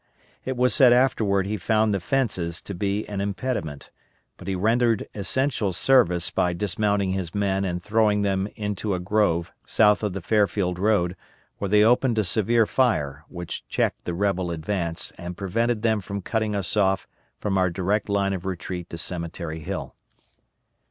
It was said afterward he found the fences to be an impediment; but he rendered essential service by dismounting his men and throwing them into a grove south of the Fairfield road, where they opened a severe fire, which checked the rebel advance and prevented them from cutting us off from our direct line of retreat to Cemetery Hill.